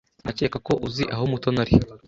Ndakeka ko uzi aho Mutoni ari.